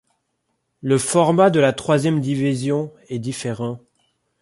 Le format de la troisième division est différent.